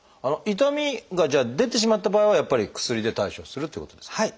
痛みが出てしまった場合はやっぱり薬で対処するっていうことですか？